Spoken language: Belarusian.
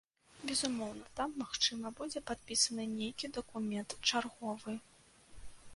Безумоўна, там, магчыма, будзе падпісаны нейкі дакумент чарговы.